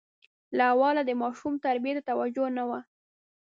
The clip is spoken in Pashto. له اوله د ماشوم تربیې ته توجه نه وه.